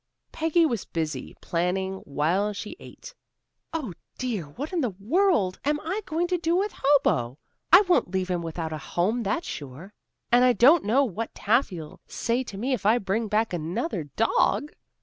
Peggy was busy planning while she ate. "Oh, dear, what in the world am I going to do with Hobo? I won't leave him without a home, that's sure. And I don't know what Taffy'll say to me if I bring back another dog."